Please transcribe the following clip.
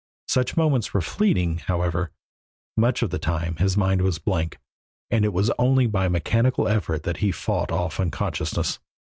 Such moments were fleeting, however; much of the time his mind was a blank, and it was only by a mechanical effort that he fought off unconsciousness.